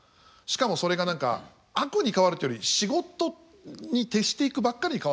しかもそれが何か悪に変わるっていうより仕事に徹していくばっかりに変わっていくみたいな。